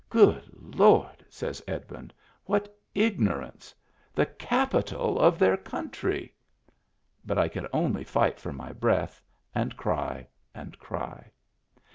"Good Lord!" says Edmund, "what igno rance. The capital of their country!" But I could only fight for my breath, and cry and cry.